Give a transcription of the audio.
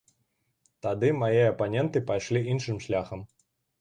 Тады мае апаненты пайшлі іншым шляхам.